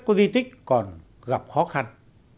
của di tích còn gặp khó khăn